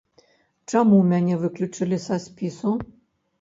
Чаму мяне выключылі са спісу?